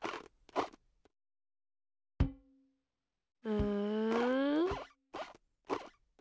うん？